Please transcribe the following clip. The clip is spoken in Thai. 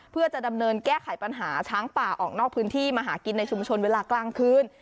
เพื่อจะดำเนินแก้ไขปัญหาช้างป่าออกนอกพื้นที่มาหากินในชุมชนเวลากลางคืน